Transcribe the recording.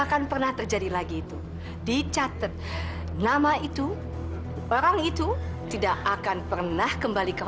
akan pernah terjadi lagi itu dicatat nama itu orang itu tidak akan pernah kembali ke